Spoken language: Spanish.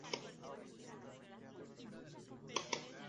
Entre sus odas se incluía una "Ode on the Spirits of Shakespeare".